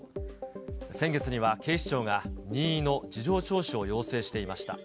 先月には警視庁が任意の事情聴取を要請していました。